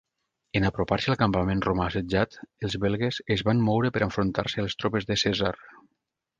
En apropar-se al campament romà assetjat, els belgues es van moure per enfrontar-se a les tropes de Cèsar.